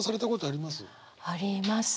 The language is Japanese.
ありますね。